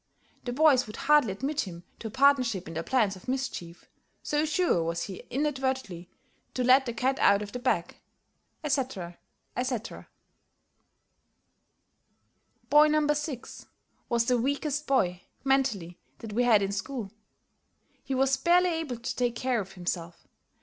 The boys would hardly admit him to a partnership in their plans of mischief, so sure was he inadvertently to let the cat out of the bag,' etc., etc. Boy No. 6 was the weakest boy, mentally, that we had in school. He was barely able to take care of himself.